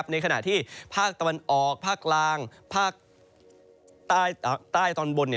ในขณะที่ภาคตะวันออกภาคกลางภาคใต้ตอนบน